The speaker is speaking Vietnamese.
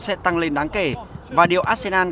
sẽ tăng lên đáng kể và điều arsenal